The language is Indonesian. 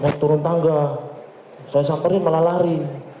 saya saperin malah lari